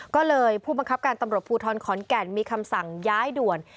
ก็เลยผู้บังคับการตำรวจภูทรขอนแก่นมีคำสั่งย้ายด่วน